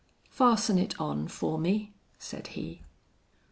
"Fasten it on for me," said he.